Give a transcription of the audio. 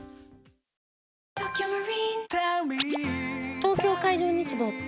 東京海上日動って？